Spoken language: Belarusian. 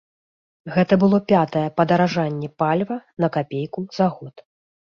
Гэта было пятае падаражанне паліва на капейку за год.